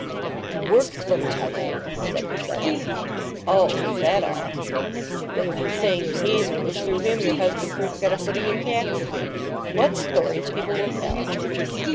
"He works for my husband," said Lucetta. "Oh—is that all? They have been saying to me that it was through him your husband first got a footing in Casterbridge. What stories people will tell!"